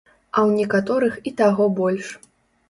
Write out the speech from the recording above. А ў некаторых і таго больш.